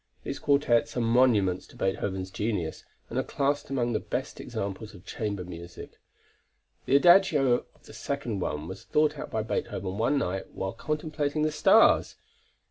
These quartets are monuments to Beethoven's genius and are classed among the best examples of chamber music. The Adagio of the second one was thought out by Beethoven one night while contemplating the stars.